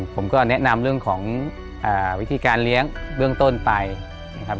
ผมก็แนะนำเรื่องของวิธีการเลี้ยงเบื้องต้นไปนะครับ